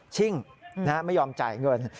ชิ่งไม่ยอมจ่ายเงิน